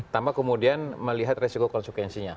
tanpa kemudian melihat resiko konsekuensinya